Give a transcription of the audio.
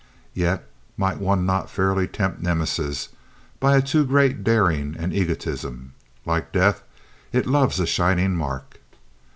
Yet might one not fairly tempt Nemesis by a too great daring and egotism? Like Death, it loves a shining mark.